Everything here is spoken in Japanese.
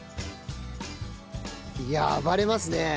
いや暴れますね。